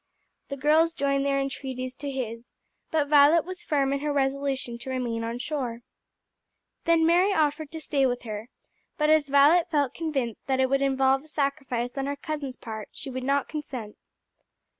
The girls joined their entreaties to his, but Violet was firm in her resolution to remain on shore. Then Mary offered to stay with her, but as Violet felt convinced that it would involve a sacrifice on her cousin's part, she would not consent.